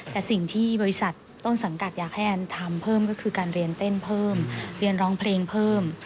แต่สิ่งที่บริษัทต้นสังกัดอยากให้แอนทำเพิ่มก็คือการเรียนเต้นเพิ่มเรียนร้องเพลงเพิ่ม